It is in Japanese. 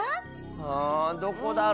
あどこだろ？